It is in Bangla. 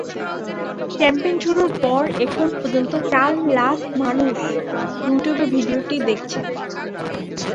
ক্যাম্পেইন শুরুর পর এখন পর্যন্ত চার লাখ মানুষ ইউটিউবে ভিডিওটি দেখেছেন।